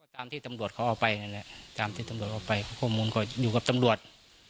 ตามที่ตำรวจเขาเอาไปนั่นแหละตามที่ตำรวจเอาไปข้อมูลเขาอยู่กับตำรวจ